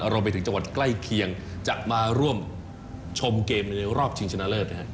รวมไปถึงจังหวัดใกล้เคียงจะมาร่วมชมเกมในรอบชิงชนะเลิศ